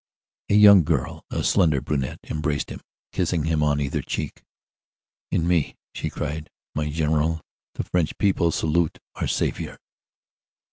A young girl, a slender brunette, embraced him, kissing him on either cheek. "In me," she cried, "my General, the French people salute our savior!"